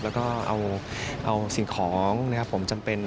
แล้วก็เอาสิ่งของจำเป็น